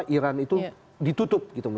iran itu ditutup